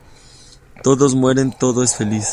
Todos mueren, todo es feliz.